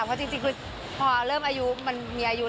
เพราะจริงที่คุณต่อเนื่องมีอายุ